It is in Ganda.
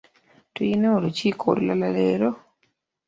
Tulinayo olukiiko olulala leero?